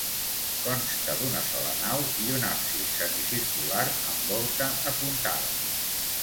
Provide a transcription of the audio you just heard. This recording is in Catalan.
Consta d'una sola nau i un absis semicircular amb volta apuntada.